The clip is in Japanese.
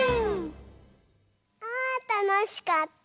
あたのしかった！